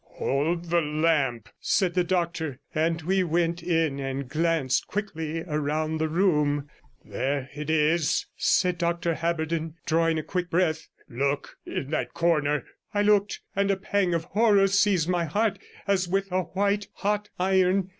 'Hold the lamp,' said the doctor, and we went in and glanced quickly round the room. 'There it is,' said Dr Haberden, drawing a quick breath; 'look, in that corner.' I looked, and a pang of horror seized my heart as with a white hot iron.